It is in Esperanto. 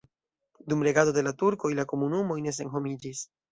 Dum regado de la turkoj la komunumoj ne senhomiĝis.